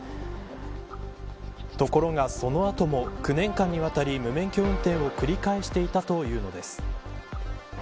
ところが、その後も９年間にわたり無免許運転を繰り返していたというのです。